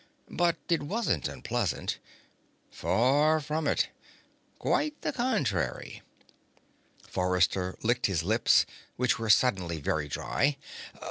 But it wasn't unpleasant. Far from it. Quite the contrary. Forrester licked his lips, which were suddenly very dry.